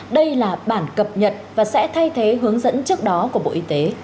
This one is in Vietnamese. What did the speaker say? đây là bản cập nhật và sẽ thay thế hướng dẫn trước đó của bộ y tế